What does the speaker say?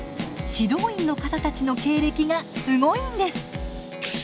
指導員の方たちの経歴がすごいんです。